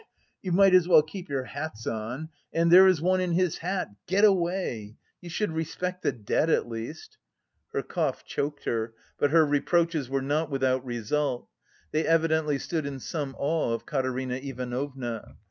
(Cough, cough, cough!) You might as well keep your hats on.... And there is one in his hat!... Get away! You should respect the dead, at least!" Her cough choked her but her reproaches were not without result. They evidently stood in some awe of Katerina Ivanovna.